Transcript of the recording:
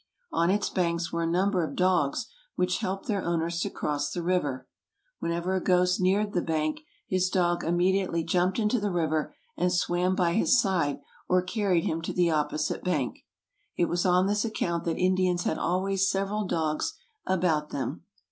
On its banks were a number of dogs which helped their owners to cross the river; when ever a ghost neared the bank, his dog immediately jumped into the river and swam by his side or carried him to the opposite bank." It was on this account that Indians had always several small dogs about them.